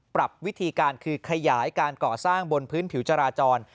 ปรับวิธีการคือขยายการก่อสร้างบนพื้นผิวจราจร